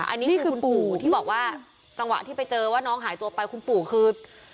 อันนี้คือคุณปู่ที่บอกว่าจังหวะที่ไปเจอว่าน้องหายตัวไปคุณปู่คือ